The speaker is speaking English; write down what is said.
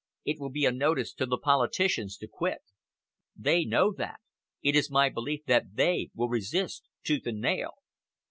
It will be a notice to the politicians to quit. They know that. It is my belief that they will resist, tooth and nail."